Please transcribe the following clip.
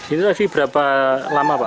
ini berapa lama pak